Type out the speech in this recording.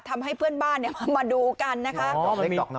ทำให้เพื่อนบ้านมาดูกันนะคะดอกเล็กดอกน้อย